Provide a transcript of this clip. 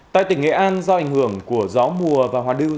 tại tỉnh nghệ an do ảnh hưởng của gió mùa và hòa đưu